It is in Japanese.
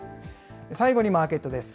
最後にマーケットです。